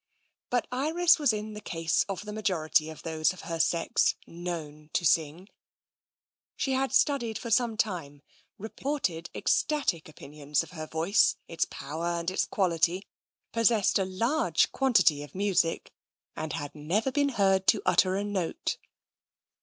But Iris was in the case of the majority of those of her sex known to sing. She had studied for some time, reported ecstatic opinions of her voice, its power and its quality, possessed a large quantity of music, and had never been heard to utter a note.